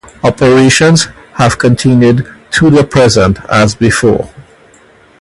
Operations have continued to present as before.